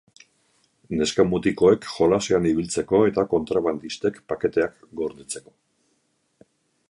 Neska-mutikoek jolasean ibiltzeko eta kontrabandistek paketeak gordetzeko.